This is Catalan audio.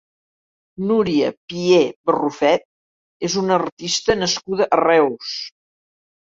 Núria Pié Barrufet és una artista nascuda a Reus.